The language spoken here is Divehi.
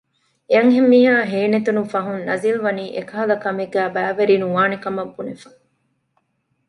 އެއަންހެންމީހާ ހޭނެތުނުފަހުން ނަޒީލްވަނީ އެކަހަލަ ކަމެއްގައި ބައިވެރި ނުވާނެކަމަށް ބުނެފަ